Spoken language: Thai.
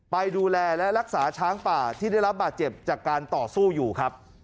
ไปดูแลและรักษาช้างป่าที่ได้รับบาดเจ็บจากการต่อสู้อยู่ครับ